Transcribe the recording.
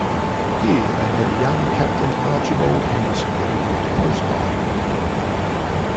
Here they met a young Captain Archibald Henderson who lived close by.